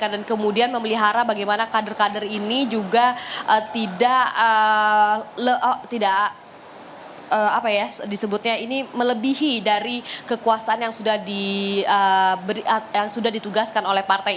dan kemudian memelihara bagaimana kader kader ini juga tidak melebihi dari kekuasaan yang sudah ditugaskan oleh partai